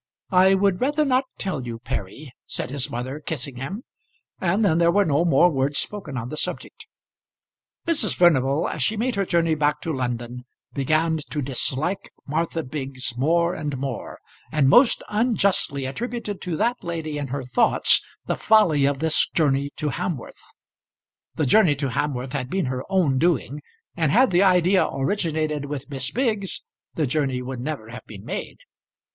"I would rather not tell you, Perry," said his mother, kissing him; and then there were no more words spoken on the subject. Mrs. Furnival as she made her journey back to London began to dislike Martha Biggs more and more, and most unjustly attributed to that lady in her thoughts the folly of this journey to Hamworth. The journey to Hamworth had been her own doing, and had the idea originated with Miss Biggs the journey would never have been made.